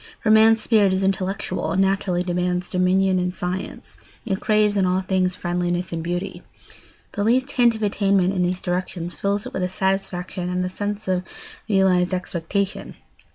For man's spirit is intellectual and naturally demands dominion and science; it craves in all things friendliness and beauty. The least hint of attainment in these directions fills it with satisfaction and the sense of realised expectation.